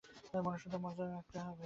মনুষ্যত্বের মর্যাদা তো রাখিতে হইবে।